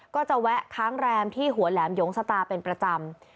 ก็จะแวะค้างแรมที่หัวแหลมหยงสตาเป็นประจำ